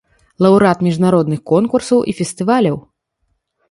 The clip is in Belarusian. Лаўрэат міжнародных конкурсаў і фестываляў.